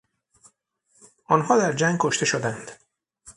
آنها در جنگ کشته شدند.